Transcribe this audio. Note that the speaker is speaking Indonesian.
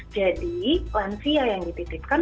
jadi lansia yang dititipkan